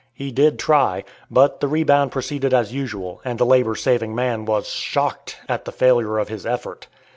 He did try, but the rebound proceeded as usual, and the labor saving man was "shocked" at the failure of his effort.